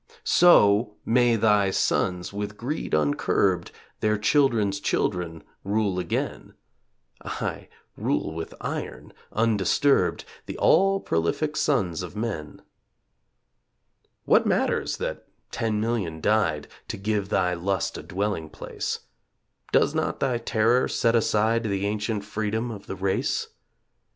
So may thy sons, with greed uncurbed, Their children's children rule again; Aye, rule with iron, undisturbed, The all prolific sons of men. What matters that ten million died To give thy lust a dwelling place? Does not thy Terror set aside The ancient freedom of the race?